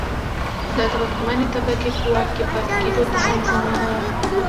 دا د واکمنې طبقې په واک کې پاتې کېدو ته هم زمینه وه.